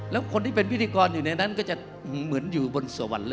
แล้วคนที่เป็นพิธีกรอยู่ในนั้นก็จะเหมือนอยู่บนสวรรค์เลย